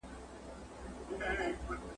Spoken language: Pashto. په فریاد سوه په نارو سوه په غوغا سوه ..